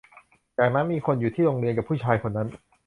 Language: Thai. จากนั้นมีคนอยู่ที่โรงเรียนกับผู้ชายคนนั้น